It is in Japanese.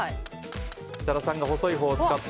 設楽さんが細い棒を使って。